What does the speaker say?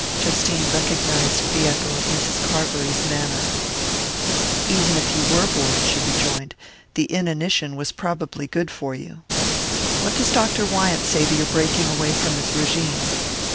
Justine recognized the echo of Mrs. Carbury's manner. "Even if you were bored," she rejoined, "the inanition was probably good for you. What does Dr. Wyant say to your breaking away from his régime?"